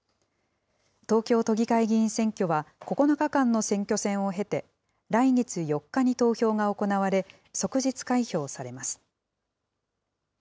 東京都議会議員選挙は９日間の選挙戦を経て、来月４日に投票が行われ、即日開票されます。